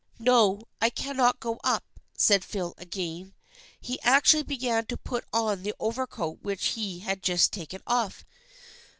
" No, I cannot go up," said Phil again. He ac tually began to put on the overcoat which he had just taken off.